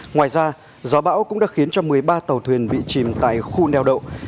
ngoài ra gió bão cũng đã khiến cho một mươi ba tàu thuyền bị chìm tại khu neo đậu